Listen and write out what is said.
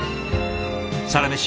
「サラメシ」